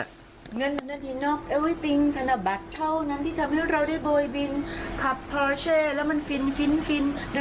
ทั้งนั้นที่ทำให้เราได้บ่อยบินขับแล้วมันฟินฟินฟิน